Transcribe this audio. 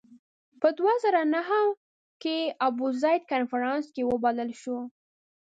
په دوه زره نهه کې ابوزید کنفرانس کې وبلل شو.